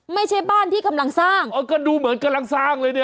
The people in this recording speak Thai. ไม่ใช่บ้านที่กำลังสร้างอ๋อก็ดูเหมือนกำลังสร้างเลยเนี่ย